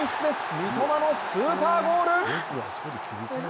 三笘のスーパーゴール！